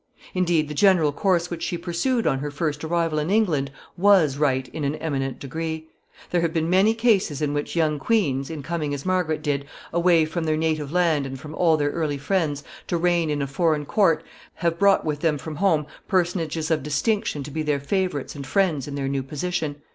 Indeed, the general course which she pursued on her first arrival in England was right in an eminent degree. There have been many cases in which young queens, in coming as Margaret did, away from their native land and from all their early friends, to reign in a foreign court, have brought with them from home personages of distinction to be their favorites and friends in their new position.